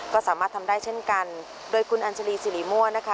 ก็สามารถทำได้เช่นกันโดยคุณอัญชาลีสิริมั่วนะคะ